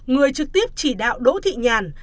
người trực tiếp chỉ đạo đỗ thị nhàn